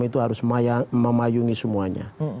itu harus memayungi semuanya